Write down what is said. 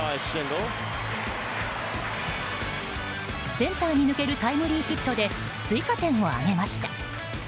センターに抜けるタイムリーヒットで追加点を挙げました。